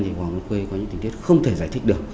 thì hoàng văn khuê có những tình tiết không thể giải thích được